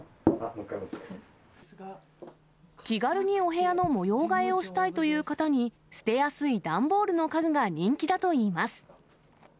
気軽にお部屋の模様替えをしたいという方に、捨てやすい段ボールの家具が人気だといいます。